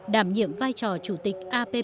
đảm nhiệm vai trò chủ tịch appf